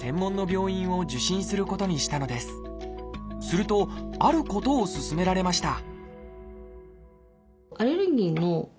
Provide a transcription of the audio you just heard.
するとあることを勧められました